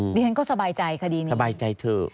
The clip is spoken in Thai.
เดี๋ยวฉันก็สบายใจคดีนี้สบายใจถูก